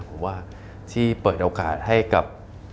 ผมว่าที่เปิดโอกาสให้กับ